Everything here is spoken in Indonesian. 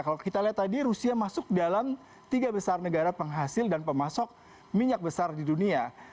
kalau kita lihat tadi rusia masuk dalam tiga besar negara penghasil dan pemasok minyak besar di dunia